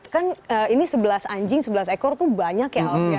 kan ini sebelas anjing sebelas ekor tuh banyak ya alutnya